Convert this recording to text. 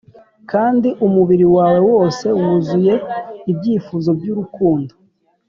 kandi umubiri wawe wose wuzuye ibyifuzo byurukundo!